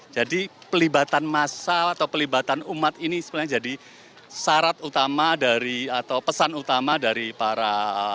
jadi pelibatan masa atau pelibatan umat ini sebenarnya jadi syarat utama dari atau pesan utama dari para